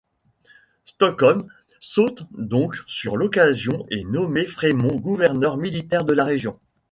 Stockton saute donc sur l'occasion et nomme Frémont gouverneur militaire de la région.